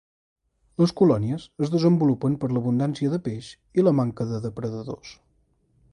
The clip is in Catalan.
Les colònies es desenvolupen per l'abundància de peix i la manca de depredadors.